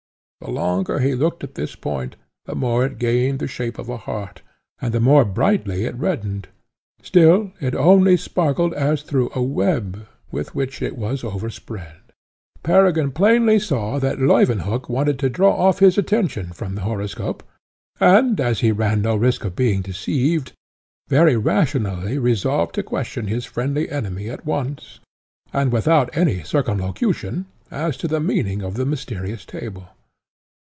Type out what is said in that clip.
The longer he looked at this point, the more it gained the shape of a heart, and the more brightly it reddened. Still it only sparkled as through a web, with which it was overspread. Peregrine plainly saw that Leuwenhock wanted to draw off his attention from the horoscope, and as he ran no risk of being deceived, very rationally resolved to question his friendly enemy at once, and without any circumlocution, as to the meaning of the mysterious table.